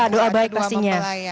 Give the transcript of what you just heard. doa baik pastinya